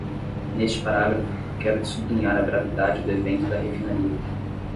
Neste parágrafo, quero sublinhar a gravidade do evento da refinaria.